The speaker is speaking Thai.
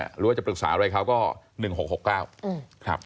หรือว่าจะปรึกษาอะไรเขาก็๑๖๖๙ครับ